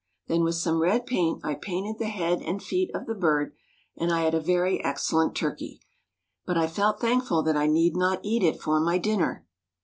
Then with some red paint I painted the head and feet of the bird, and I had a very excellent turkey, but I felt thankful that I need not eat it for my dinner.